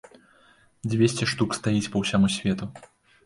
Дзвесце штук стаіць па ўсяму свету!